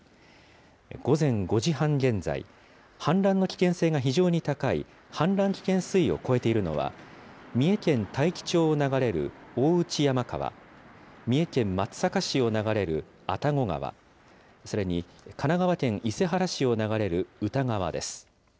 午前５時半現在、氾濫の危険性が非常に高い氾濫危険水位を超えているのは、三重県大紀町を流れる大内山川、三重県松阪市を流れる愛宕川、それに神奈川県伊勢原市を流れる歌川です。